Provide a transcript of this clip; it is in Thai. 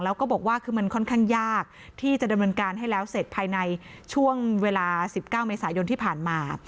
แล้วก็บอกว่าคือมันค่อนข้างยากที่จะดำเนินการให้แล้วเสร็จภายในช่วงเวลา๑๙เมษายนที่ผ่านมา